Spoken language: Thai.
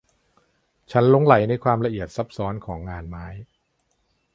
ฉันหลงใหลในความละเอียดซับซ้อนของงานไม้